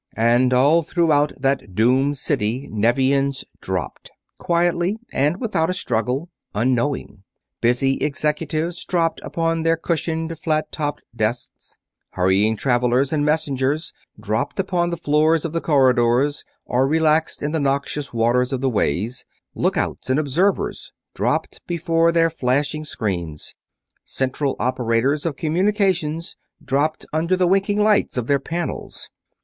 And all throughout that doomed city Nevians dropped; quietly and without a struggle, unknowing. Busy executives dropped upon their cushioned, flat topped desks; hurrying travelers and messengers dropped upon the floors of the corridors or relaxed in the noxious waters of the ways; lookouts and observers dropped before their flashing screens; central operators of communications dropped under the winking lights of their panels.